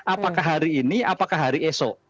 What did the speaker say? apakah hari ini apakah hari esok